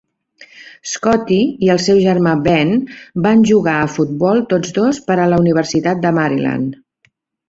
Scotti i el seu germà Ben van jugar a futbol tots dos per a la Universitat de Maryland.